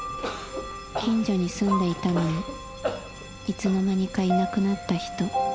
近所に住んでいたのにいつの間にかいなくなった人。